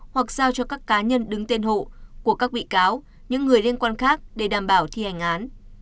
hoặc giao cho các cá nhân đứng tên hộ của các bị cáo những người liên quan khác để đảm bảo thi hành án